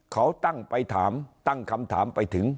เขาตั้งไปถามตั้งคำถามไปถึง